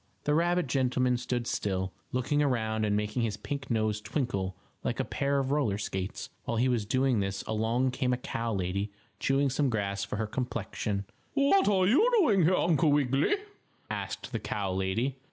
The rabbit gentleman stood still, looking around and making his pink nose twinkle like a pair of roller skates. While he was doing this along came a cow lady chewing some grass for her complexion. "What are you doing here, Uncle Wiggily?" asked the cow lady.